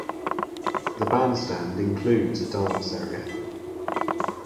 The bandstand includes a dance area.